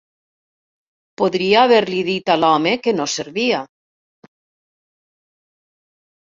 Podria haver-li dit a l'home que no servia.